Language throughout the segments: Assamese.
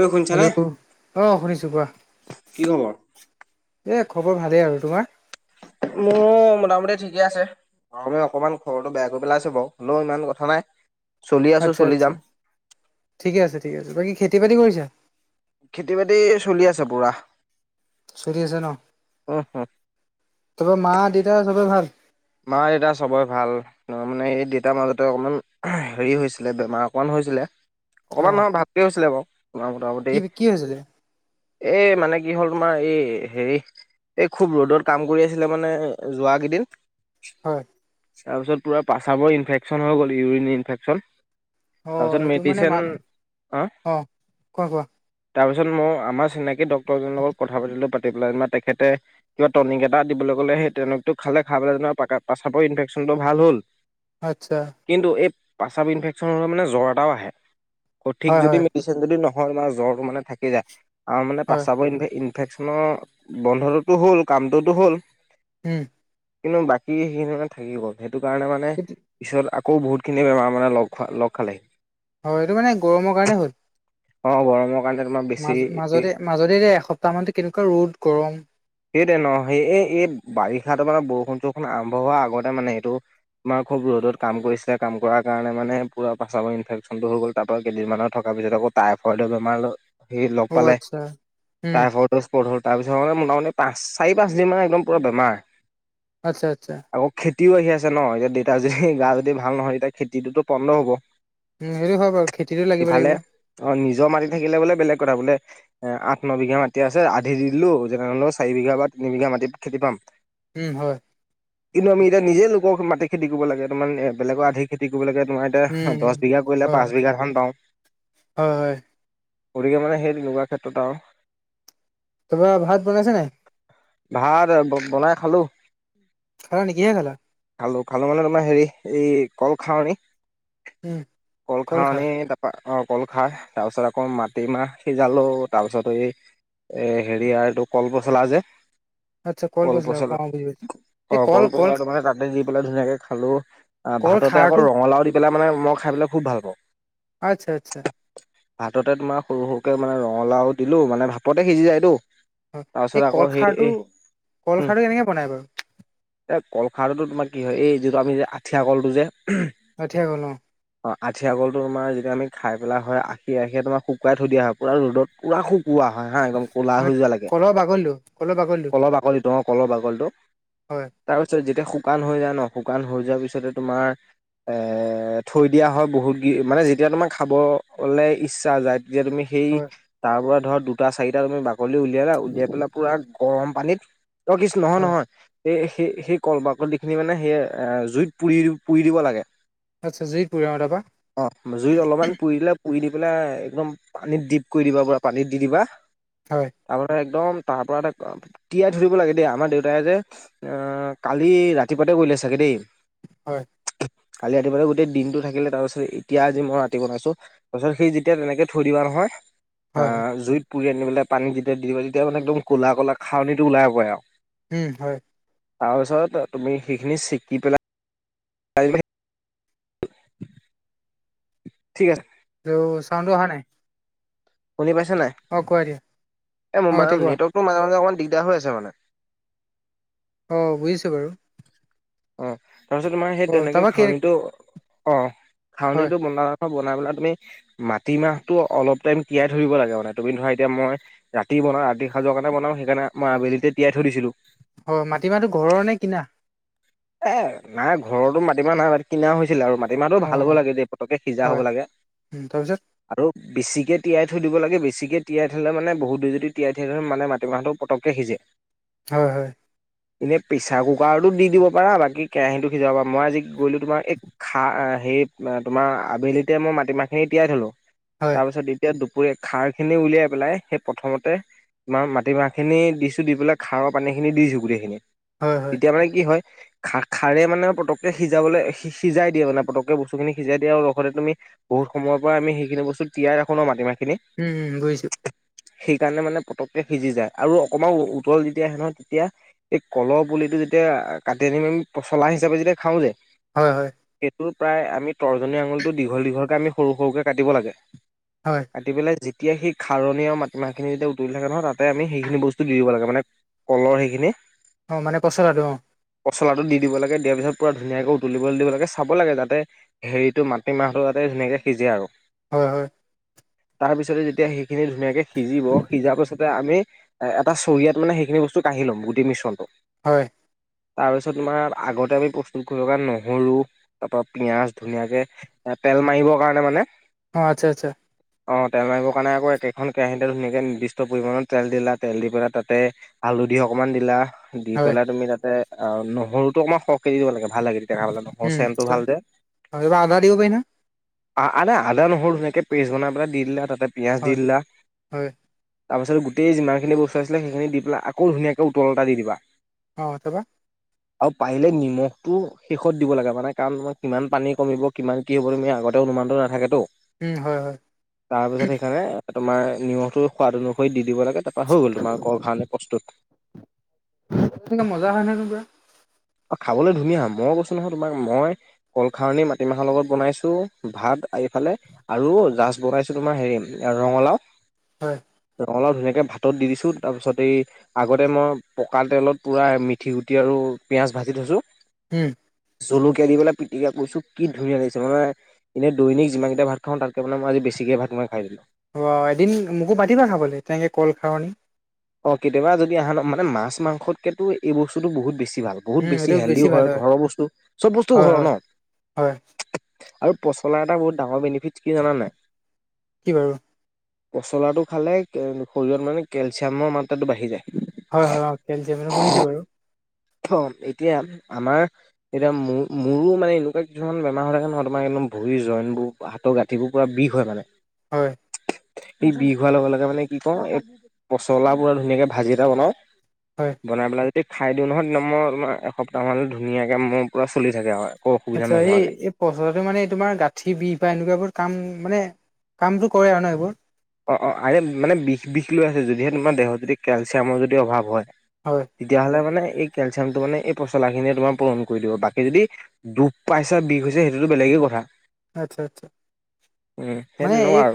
ঐ শুনিছানে হেল্ল'? অ'! শুনিছোঁ, কোৱা? কি খবৰ? এ, খবৰ ভালেই আৰু তোমাৰ? মোৰ, মোটামুটি ঠিকে আছে। আৰু অকনমান, ঘৰটো বেয়া কৰি পেলাইছোঁ বাৰু। হ'লেও ইমান কথা নাই। চলি আছো আচ্ছা, চলি যাম। আচ্ছা। ঠিকে আছে, ঠিক আছে। বাকী, খেতি-বাতি কৰিছা? খেতি-বাতি চলি আছে, পূৰা। চলি আছে ন'? হম তহঁতৰ, মা- দেউতা চবে ভাল? মা- দেউতা চবেই ভাল। অ'! মানে, এই দেউতাৰ মাজতে, অকণমান হেৰি হৈছিলে, বেমাৰ অকণমান হৈছিলে। অ অকণমান নহয়, ভালকৈ হৈছিলে বাৰু। [unintelligible] কি মোটামূতি। কি হৈছিলে এই মানে, কি হ'ল! তোমাৰ এই, হেৰি এই খুউব ৰ'দত কাম কৰি আছিলে। মানে, যোৱা কেইদিন। হয়! তাৰ পিছত, পূৰা প্ৰস্ৰাৱৰ ইনফেকশ্চন হৈ গ'ল, ইউৰিন ইনফেকশচন। অ তাৰপিছত, এইটো মানে মেডিচিন। মা অ'! অ কোৱা কোৱা তাৰপিছত, মই আমাৰ, চিনাকি ডক্তৰ এজনৰ লগত কথা পাতিলোঁ। পাতি পেলাই যেনিবা, তেখেতে কিবা টনিক এটা দিবলৈ ক'লে। সেই, টনিকটো খালে, খাই পিল প্ৰস্ৰাৱৰ ইনফেকশ্যনটো ভাল হ'ল। আচ্ছা! কিন্তু, এই, প্ৰস্ৰাৱ ইনফেকশ্যন হ'লে মানে, জ্বৰ এটাও আহে। সঠিক হয় যদি হয় যদি নহয়, মানে, জ্বৰটো মানে থাকে যায়। আৰু মানে, হয় প্ৰস্ৰাৱৰ ইন ইনফেকশ্চনৰ, বন্ধটোতো হ'ল, কামটোতো হ'ল। উম! কিন্তু, বাকী সেইখিনি মানে, থাকি গ'ল। সেইটো কাৰণে, মানে পিছত আকৌ, বহুতখিনি বেমাৰ মানে, লগ খোৱা, লগ খালেহি। হয়, এইটো মানে, গৰমৰ কাৰণেই হ'ল। অ'! গৰমৰ। কাৰণে তোমাৰ মাজ, বেছি মাজতে- মাজতে, দে এসপ্তাহমানতো, কেনেকুৱা ৰ'দ, গৰম। সেইটোৱে ন'! সেই, এই এই বাৰিষাটো মানে, বৰষুণ-চৰষুণ আৰম্ভ হোৱাৰ আগতে মানে, এইটো। আমাৰ খুউব ৰ'দত কাম কৰিছিলে। কাম কৰাৰ কাৰণে মানে, পূৰা প্ৰাস্ৰাৱৰ ইনফেকশ্চনটো হৈ গ'ল। তাৰপৰা, কেইদিনমানৰ থকাৰ পিছত, আকৌ, টাইফইডৰ বেমাৰ, সেই লগ অ পালে, আচ্ছা উম টাইফইড। [unintelligible] হ'ল। তাৰপিছত মানে, মোটামুটি পাঁচ, চাৰি-পাঁচদিমান একদম পূৰা বেমাৰ। আচ্ছা, আচ্ছা। আকৌ, খেতিও আহি আছে, ন'! এতিয়া, দেউতা যদি, গা যদি ভাল নহয়। তেতিয়া, খেতিটো পন্দ হ'ব। উম! হেৰিও হয় বাৰু। খেতিটোও লাগিব, ইফালে লাগিব। অ'! নিজৰ মাটি থাকিলে বোলে, বেলেগ কথা বোলে। আঠ- ন বিঘা মাটি আছে। আধি দিলোঁ, যেনেহ'লেও চাৰি বিঘা বা তিনি বিঘা মাটিত খেতি পাম। উম, হয়। কিন্তু, আমি এতিয়া নিজে, লোকৰ মাটিত খেতি কৰিব লাগে। তোমাৰ, বেলেৰ আধি খেতি কৰিব লাগে, তোমাৰ। উম দহ বিঘা কৰিলে, হয় হয় পাঁচ বিঘা ধান পাওঁ। হয় হয় গতিকে মানে, সেই তেনেকুৱা ক্ষেত্ৰত আৰু তোমাৰ, ভাত বনাইছে নাই? ভাত বনাই খালোঁ। উম [unintelligible] খালে নেকি কিহে খালা খালোঁ খালোঁ মানে তোমাৰ হেৰি এই কল খাৱনী উম কল খাৱনী তা পা কল খাৰ তাৰ পিছত আকৌ মাটিমাহ সিজালো তাৰ পিছত এই এই হেৰি আৰু এইটো কলপচলা যে আৰ্টছা কল পচলা অ বুজি পাইছো অ এই কল কল কলপছলাটো মানে তাতে দি পেলাই ধুনীয়াকে খালো কল ভাততে আকৌ খাৰটো ৰঙালাও দি পেলাই মানে মই খাই পেলাই খুব ভাল পাওঁ আচ্ছা আচ্ছা ভাততে তোমাৰ সৰু সৰুকে মানে ৰঙালাও দিলো মানে ভাপতে সিজি যায়তো হয় তাৰ এই পিছত কল আকৌ সেই খাৰটো এ কল খাৰে কেনেকে বনাই বাৰু এই কলখাৰতো তোমাৰ কি হয় এই যিটো আমি যে আঠিয়া কলটো যে আঠিয়া ক'ল অ অ আঠিয়া কলটো তোমাৰ যেতিয়া আমি খাই পেলাই হয় আখী আখীয়ে তোমাৰ শুকাই থৈ দিয়া হয় পুৰা ৰ'দত পুৰা শু কুৱা হয় হা একদম ক'লা মানে হৈ যোৱা লেকে কলৰ বাগলিটো কলৰ বাগলিটো কলহৰ বাকলিটোহ অ কলহ বাকলিটো হয় তাৰপিছত যেতিয়া শুকান হৈ যায় ন শুকান হৈ যোৱাৰ পিছতে তোমাৰ এ থৈ দিয়া হয় বহুত গি মানে যেতিয়া তোমাৰ খাবলে ইচ্ছা যায় যেতিয়া তুমি সেই হয় তাৰ পৰা ধৰা দু দুটা চাৰিটা তুমি বাকলি উলিয়ালা উলিয়াই লৈ পুৰা গৰম পানীত অ কিছ নহয় হয় নহয় সেই সেই সেই কল বাকলিখিনি মানে সেই জুইত পুৰি পুৰি দিব লাগে আচ্ছা জুইত পুৰে অ তাপা অহ জুইত অলপমান পুৰি দিলে পুৰি দি পেলাই একদম পানীত ডিপ কৰি দিবা পুৰা পানীত দি দিবা [unintelligible] হয়। তাৰমানে একদম তাৰ পৰা এটা তিয়াই থৰিব লাগে দেই আমাৰ দেউতাই যে। অ কালি ৰাতিপুৱাতে কৰিলে চাগে দেই। হয় কালি ৰাতিপুৱাতে গোটেই দিনটো থাকিলে তাৰ পিছত এতিয়া আজি মই ৰাতি বনাইছো তাৰ পিছত সি যেতিয়া তেনেকে থৈ দিবা নহয় অ হয় হয় জুইত পুৰি আনি পেলাই পানী যেতিয়া দি দিব তেতিয়া মানে একদম ক'লা কলা খাওনীটো ওলাই পৰে আও উম হয় তাৰপিছত তুমি সেইখিনি চেকি পেলাই তাই যোমে সি [unintelligible] ঠিক আছে। হেল্লো চাউণ্ডো অহা নাই। শুনি পাইছে নাই অ কোৱা এতিয়া এই মো অ মানে এতিয়া কোৱা নেটৱৰ্কটো মাজে মাজে অকণমান দিগদাৰ হৈ আছে মানে। অ বুজিছোঁ বাৰু। অ তাৰপিছত তোমাৰ সেই অ তেনেকে তাৰপা কে খাওনিটো অ হয় খাওনীটো বনা। বনাই পেলাই তুমি মাটিমাহটো অলপ টাইম তিয়াই ধৰিব লাগে মানে তুমি ধৰা এতিয়া মই। ৰাতি বনাওঁ ৰাতি সাজৰ কাৰণে বনাও সেইকাৰণেই আবেলিতে তিয়াই থৈ দিছিলো। হয় মাটিমাহটো ঘৰৰ নে কিনা। এ নাই ঘৰৰতো মাটিমা নাই কিনা হৈছিলে আৰু মা টিমাটো অ ভাল হ'ব লাগে দেই পতকে সিজা হয় হ'ব লাগে। উম তাৰপিছত আৰু বেছিকে তিয়াই থৈ দিব লাগে বেছিকে তিয়াই থ'লে মানে বহুত দেৰি যদি তিয়াই থয় মানে মাটিমাহটো পতকে সিজে। [unintelligible] হয় হয়। এনেই প্ৰেছাৰ কুকাৰতো দি দিব পাৰা বাকী কেৰাহীটো সিজাব পাৰা মই আজি। গলো তোমাৰ এই খা হে তোমাৰ আবেলিতে মই মাটিমাহখিনি তিয়াই থলো। হয় তাৰপিছত এতিয়া দুপৰীয়া খাৰ খিনি উলিয়াই পেলাই সেই প্ৰথমতে তোমাৰ মাটিমাহখিনি দিছোঁ দি পেলাই খাৰৰ পানীখিনি দিছোঁ গোটেইখিনি হয় হয় তেতিয়া মানে কি হয়। খাৰ খাৰে মানে পটককে সিজাবলৈ সিজাই দিয়ে মানে পটকে বস্তুখিনি সিজাই দিয়ে আৰু লগতে তুমি বহু সময় পৰা আমি সেইখিনি বস্তু তিয়াই ৰাখো ন মাটিমাহখিনি। উম গৈছো। সেইকাৰণে মানে পতককে সিজি যায় আৰু অকমান উতল যেতিয়া সে নহয় তেতিয়া। এই কলৰ পুলিটো যেতিয়া কাটি আনি আমি পচলা হিচাপে যেতিয়া খাওঁ যে। হয়-হয়। সেইটো প্ৰায় আমি তৰ্জনী আঙুলটো দীঘল দীঘলকে আমি সৰু সৰুকে কাটিব লাগে। হয়। কাটি পেলাই যেতিয়া সেই খাৰনি আৰু মাটিমাহখিনিতিয়া উতলি থাকে নহয় তাতে আমি সেইখিনি বস্তু দিব লাগ মানে। পলৰ সেইখিনি। অ মানে পচলাটো অ। পচলাটো দি দিব লাগে দিয়াৰ পিছত পূৰা ধুনীয়াকৈ উতলিবলৈ দিব লাগে চাব লাগে যাতে। হেৰিটো মাতিমাহটো তাতে ধুনীয়াকে সিজে আৰু। হয়-হয়। তাৰপিছতে যেতিয়া সেইখিনি ধুনীয়াকে সিজিব সিজা পাছতে আমি এটা চৰিয়াত মানে সেইখিন বস্তু কাঢ়ি ল'ম গোটেই মিশণটো। হয়। তাৰপিছত তোমাৰ আগতে আমি প্ৰস্তুত কৰিব কাৰণ নহৰু তাৰপৰা পিঁয়াজ ধুনীয়াকে। এ তেল মাৰিবৰ কাৰণে মানে। অঁ আচ্ছা-আচ্ছা। অঁ তেল মাৰিবৰ কাৰণে আকৌ একেখন কেৰাহীতেল ধুনীয়াকৈ নিৰ্দিষ্ট পৰিমাণৰ তেল দিলা তেল দি পেলাই তাতে। হালধি অকমান দিলা দি হয় পেলাই তুমি তাতে অ নহৰুতটো অকমান সৰ দিব লাগে ভাল লাগে তেতিয়া খাব নহয় উম চেনটো ভাল যে। এইবাৰ আদা দিব পাৰি নহয় আদা আদা নহৰু ধুনীয়াকৈ পেষ্ট বনাই পেলাই দি দিলা তাতে পিঁয়াজ দি হয় দিলা৷ হয় তাৰপাছত গোটেই যিমনখিনি বস্তু আছিলে সেইখিনি দি পেলাই আকৌ ধুনীয়াকে উতল এটা দি দিবা৷ অঁ অথবা আৰু পাৰিলে নিমখটো শেষত দিব লাগে মানে কাৰণ ম কিমান পানী কমিব কিমান। কি হব তুমি আগতেও অনুমানটো নাথাকেতো। উম হয় হয়। তাৰপিছত সেইকাৰণে তোমাৰ নিমখটো সোৱাদ অনুসৰি দি দিব লাগে তাৰপৰা হৈ গ'ল তোমাৰ কল কাৰণে প্ৰস্তুত। তেনেকে মজা হয় নহয় ত কা। অ খাবলৈ ধুনীয়া মই কৈছো নহয় তোমাক মই কলখাৰনী মাটিমাহৰ লগত বনাইছোঁ ভাত এইফালে। আৰু জাষ্ট বনাইছো তোমাৰ হেৰি ৰঙালাও৷ হয় ৰঙলাও ধুনীয়াকে ভাতত দি দিছো তাৰপিছত এই আগতে মই পকা তেলত পুৰা মিঠি গুটি আৰু পিঁয়াজ ভাজি থৈছোঁ৷ উম জলকীয়া দি পেলাই পিটিকা কৰিছো কি ধুনীয়া লাগিছে মানে এনে দৈনিক যিমানকিতা ভাত খাওঁ তাতকে মানে মই আজি বেছিকে ভাত মই খাই দিলোঁ৷ অঁ এদিন মোকো মাতিবা খাবলৈ তেনেকৈ কল খাৰনি৷ অ কেতিয়াবা যদি আহা মানে মাছ মাংসতকেতো এই বস্তুটো বহুত বেছি ভাল৷ বহুত উম বেছি এইটো হেল্ডিও ভাল হয় ঘৰৰ বস্তু চব বস্তু হয় ঘৰৰ ন! হয় হয় আৰু পচলাৰ এটা বহুত ডাঙৰ বেনিফিট কি জানা নাই? কি বাৰু পচলাটো খালে শৰীৰত মানে কেলচিয়ামৰ মাত্ৰাটো বাঢ়ি যায়৷ হয়-হয় অ কেলচিয়াম মানে শুনিছো বাৰু৷ অ এতিয়া আমাৰ এতিয়া মো মোৰো মানে এনেকুৱা কিছুমান বেমাৰ হৈ থাকে নহয় তোমাৰ একদম ভৰিৰ জইনবোৰ হাতৰ গাঁঠিবোৰ পূৰা বিষ হয় মানে। হয়। এই বিষ হোৱাৰ লগে লগে মানে কি কও। পচলা পোৰা ধুনীয়াকে ভাজি এটা বনাওঁ, হয় বনাই পেলাই এই খাই দিওঁ নহয় [unintelligible] মই তোমাৰ এসপ্তাহ মানলে ধুনীয়াকে মোৰ পুৰা চলি থাকে আও। আচ্ছা এই পচলাটো মানে তোমাৰ গাঁঠি বিষ বা এনেকুৱাবোৰ কাম মানে কামটো কৰে আৰু ন এইবোৰ? অ অ আৰে মানে বিষ বিষ লৈ আছে যদিহে তোমাৰ দেহত যদি কেলচিয়ামৰ যদি অভাৱ হয়। হয়। তেতিয়াহ'লে মানে এই কেলচিয়ামটো মানে এই পচলাখিনিয়ে তোমাৰ পূৰণ কৰি দিব। বাকী যদি দুখ পাইছা, বিষ হৈছে সেইটোতো বেলেগেই কথা। আচ্ছা, আচ্ছা। উম সেই মানে তেনেকুৱা এই আৰু।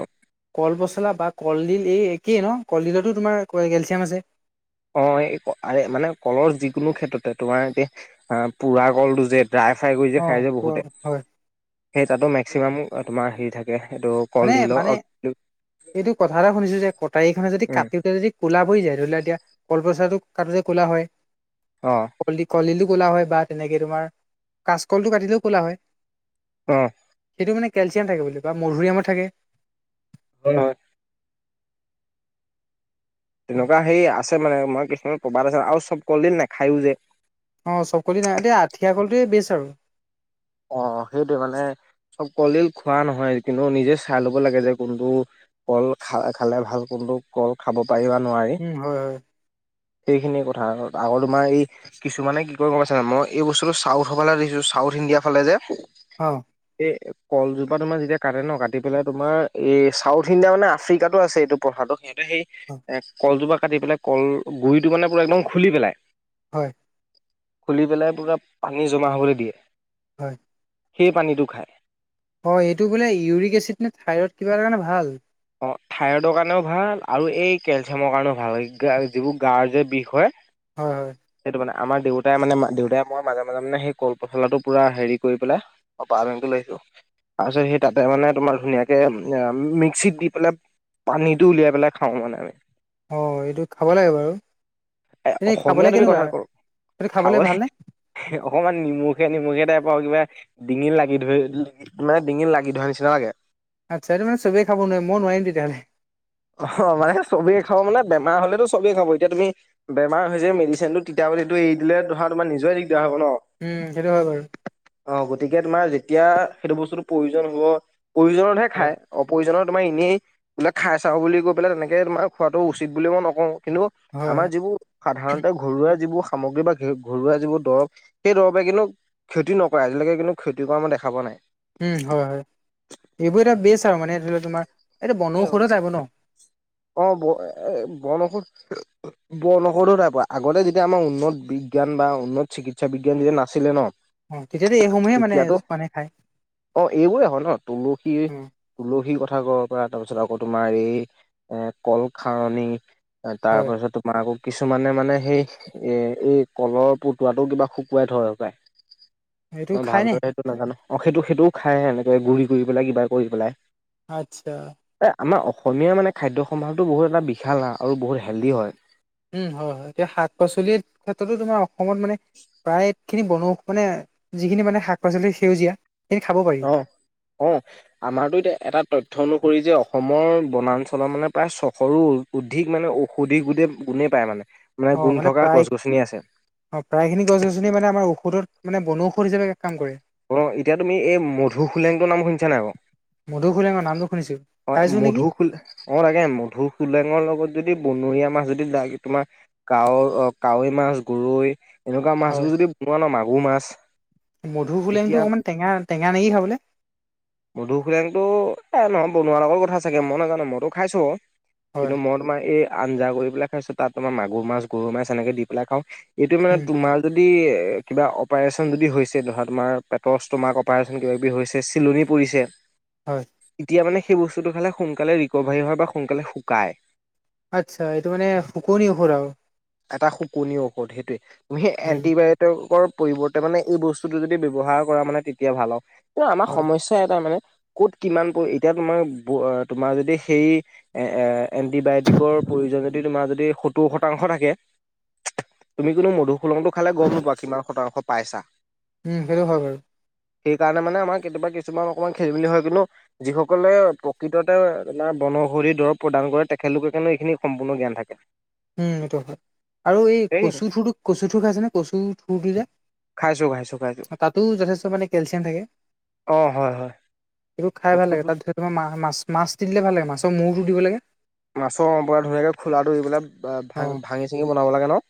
কল পচলা বা কলডিল এই একেই ন? কলডিলতো তোমাৰ কেলচিয়াম আছে। অ এই আৰে মানে কলৰ যিকোনো ক্ষেত্ৰতে তোমাৰ এতিয়া আ পোৰা কলটো যে ড্ৰাই ফ্ৰাই কৰি যে অ খাই যে বহুতে। পোৱা হয়। সেই তাতো মেক্সিমাম তোমাৰ হেৰি থাকে এইটো মানে কলডিলৰ অ মানে এইটো কথা এটা শুনিছো যে কটাৰী খনে যদি উম কাটোতে যদি কোলা পৰি যায় ধৰি লোৱা এতিয়া কলপচলাটো কাটোতে কোলা হয়। অ। কলড কলডিলো ক'লা হয় বা তেনেকে তোমাৰ কাচকলটো কাটিলেও ক'লা হয়। অ। সেইটো মানে কেলচিয়াম থাকে বুলি কোৱা, মধুৰিআমৰ থাকে। হয়, হয়। তেনেকুৱা হেই আছ এই মানে মই কিছুমান প্ৰবাদ আছে আৰু চব কলদিল নাখায়ো যে। অ চব কলি নাই এ আঠিয়া কলটোৱে বেছ আৰু। অ সেইটোৱে মানে চব কলদিল খোৱা নহয়, কিন্তু নিজে চাই ল'ব লাগে যে কোনটো কল খা খালে ভাল কোনটো কল খাব পাৰি বা নোৱাৰি। উম হয় হয় সেইখিনি কথা আকৌ আৰু তোমাৰ হেই কিছুমানে কি কৰে গম পাইছা নাই? মই এই বস্তুটো চাউথৰ ফালে দেখিছো। চাউথ ইণ্ডিয়াৰ ফালে যে অ। এ কলজোপা তোমাৰ যেতিয়া কাটে ন, কাটি পেলাই তোমাৰ এই চাউথ ইণ্ডিয়া মানে আফ্ৰিকাতো আছে এইটো পথাটো। সেই অ এ কলজোপা কাটি পেলাই কল গুৰিটো মানে পুৰা একদম খুলি পেলায়। হয়। খুলি পেলাই পোৰা পানী জমা হ'বলৈ দিয়ে। হয়। সেই পানীটো খায়। অ এইটো বোলে ইউৰিক এচিড নে থাইৰড কিবা এটা কাৰণে ভাল। অ থাইৰইডৰ কাৰণেও ভাল আৰু এই কেলচিয়ামৰ কাৰণেও ভাল যিবোৰ গাৰ যে বিষ হয়। হয়, হয়। সেইটো মানে আমাৰ দেউতাই মানে দেউতাই মই মাজে মাজে মানে সেই কল পচলাটো পুৰা হেৰি কৰি পেলাই অ পাত আনিবলৈ আহিছো। তাৰপিছত সেই তাতে মানে তোমাৰ ধুনীয়াকে আ মিক্সিত দি পেলাই পানীটো উলিয়াই পেলাই খাওঁ মানে আমি। অ এইটো খাব লাগে বাৰু। এ এনেই অসমীয়া খাবলে তুমি কেনেকুৱা কথা এইটো খাবলে খাবই ভালনে? অকমান নিমখীয়া নিমখীয়া টাইপৰ আউ কিবা ডিঙিত লাগি ধৰি মানে ডিঙিত লাগি ধৰা নিচিনা লাগে। আচ্ছা এইটো মানে চবেই খাব নোৱাৰে। মই নোৱাৰিম তেতিয়াহ'লে। অহ মানে চবেই খাব মানে বেমাৰ হলেতো চবেই খাব। এতিয়া তুমি বেমাৰ হৈছে মেডিচিনটো তিতা বুলিটো এৰি দিলে ধৰা তোমাৰ নিজৰে দিগদাৰ হ'ব ন। উম, সেইটো হয় বাৰু। অ গতিকে তোমাৰ যেতিয়া সেইটো বস্তুটো প্ৰয়োজন হব প্ৰয়োজনতহে হয় খায়। অপয়োজনত তোমাৰ এনেই বোলে খাই চা বুলি কৈ পেলাই তেনেকে তোমাৰ খোৱাটো উচিত বুলি মই নকওঁ কিন্তু। হয় আমাৰ হয় যিবোৰ। সাধাৰণতে ঘৰুৱা যিবোৰ সামগ্ৰী বা ঘৰুৱা যিবোৰ দৰব সেই দৰৱে কিন্তু, ক্ষতি নকৰে আজিলৈকে কিন্তু ক্ষতি কৰা মই দেখা পোৱা নাই। উম হয় হয় সেইবোৰ এটা বেষ্ট আৰু মানে ধৰি লক তোমাৰ এইটো বন নাই ঔষধো টাইপৰ ন। অ ব বন ঔষধ। বন ঔষধ নাই পোৱা আগতে যেতিয়া ইয়াৰ উন্নত বিজ্ঞান বা উন্নত চিকিৎসা বিজ্ঞান যেতিয়া নাছিলে ন। অ তেতিয়াতো এইসমূহে মানে তেতিয়াতো মানুহে খায় অ এইবোৰে হয় ন তুলসী। উম তুলসীৰ কথা কব পৰা তাৰপিছত আকৌ তোমাৰ এই এ কলখাৰনী। তাৰ হয় পাছ তোমাকো কিছুমানে মানে সেই। এ এই কলৰ পতুৱাতটো কিবা শুকুৱাই থই হপাই। এইটো মই খাই নে ভালদৰে সেইটো নাজানো অ সেইটো সেইটোও খাই এনেকৈ গুৰি কৰি পেলাই কিবা কৰি পেলাই। আচ্ছা। এ আমাৰ অসমীয়া মানে খাদ্য সম্ভাৰটো বহুত এটা বিশাল আ আৰু বহুত হেল্ডি হয়। উম হয় হয় এতিয়া শাক পাচলিৰ ক্ষেত্ৰতো তোমাৰ অসমত মানে। প্ৰায়খিনি বন ঔষধ মানে যিখিনি মানে শাক পাচলি সেউজীয়া সেইখিনি খাব পাৰি। অও, আমাৰতো এতিয়া এটা তথ্য অনুসৰি যে অসমৰ বনাঞ্চলৰ মানে প্ৰায় চশৰো। অধিক মানে ঔষধি গোটেই গুণেই পায় মানে। অ গুণ মানে থকা প্ৰায়। গছ গছনি আছে অঁ প্ৰায়খিনি গছ গছনি মানে আমাৰ ঔষধত মানে বনঔষধ হিচাপে এক কাম কৰে। অঁ এতিয়া তুমি এই মধু হোলেংটোৰ নাম শুনিছা নাই বাও। মধুসোলেঙৰ নামটো শুনিছো অ খাইছো নেকি মধু হোলে, অ লাগে মধু হোলেংৰ লগত যদি বনৰীয়া মাছ যদি লাগে তোমাৰ, কাৱৈ অ কাৱৈ মাছ গৰৈ এনেকুৱা মাছবোৰ যদি বনোৱা ন মাগুৰ মাছ। মধু হোলেংটো তেতিয়া অকমান টেঙা টেঙাে নেকি খাবলে। মধুশোলেংটো এই নহয় বনোৱাৰ লগৰ কথা চাগে মই নাজানো মইতো খাইছোঁ বাও, হয় কিন্তু মই তোমাক এই আঞ্জা কৰি পেলাই খাইছো তাত তোমাৰ মাগুৰ মাছ গৰু মাছ এনেকে দি পেলাই খাওঁ। এইটো মানে উম তোমাৰ যদি কিবা অপাৰেচন যদি হৈছে ধৰা তোমাৰ। পেটৰ ষ্ট'মাৰ্ অপাৰেচন কিবা কিবি হৈছে চিলনি পৰিছে। হয়। এতিয়া মানে সেই বস্তুটো খালে সোনকালে ৰিকভাৰী হয় বা সোনকালে শুকাই। আচ্ছা এইটো মানে শুকনি ঔষধ আৰু এটা শুকনিৰ ঔষধ সেইটোৱে তুমি সেই উম এন্টিবায়ট, তেওঁকৰ পৰিৱৰ্তে মানে এই বস্তুতটো যদি ব্যৱহাৰ কৰা মানে তেতিয়া ভাল হ কিন্তু আমাৰ হয় সমস্যা। এ তাৰ মানে ক'ত কিমান পৰি এতিয়া তোমাৰ বৌ তোমাৰ যদি সেই, এ এ এণ্টিবায়টিকৰ প্ৰয়োজন যদি তোমাৰ যদি সত্তৰ শতাংশ থাকে। তুমি কিন্তু মধুশোলোংটো খালে গম নোপোৱা কিমান শতাংশ পাইছা। উম সেইটো হয় বাৰু সেইকাৰণে মানে আমাৰ কেতিয়াবা কিছুমান অকণমান খেলি মেলি হয় কিন্তু, যিসকলে প্ৰকৃততে বন ঔষধি দৰৱ প্ৰদান কৰে তেখেতলোকে কেনে এইখিনি সম্পূৰ্ণ জ্ঞান থাকে। উম এইটো হয় আৰু এই কচু থোৰটো কচু থোৰ খাইছে ন কচু থোৰটো যে, খাইছোঁ খাইছোঁ খাইছোঁ। তাতো যথেষ্ট মানে কেলচিয়াম থাকে। অঁ হয় হয়। এইবোৰ খাই ভাল লাগ বস্তুটো তাত ধৰ ল মা মাছ মাছ দি দিলে ভাল লাগে মাছ মৰটো দিব লাগে। মাছৰ অৰম্পৰা ধুনীয়াকৈ খোলাটোৰি পেলাই অ ভা ভাঙি চাঙি বনাব লাগে ন।